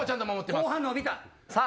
後半伸びた。